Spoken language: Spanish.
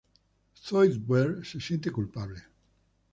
Zoidberg se siente culpable.